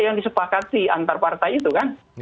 yang disepakati antar partai itu kan